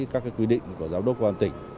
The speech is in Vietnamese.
các quy định của giám đốc công an tỉnh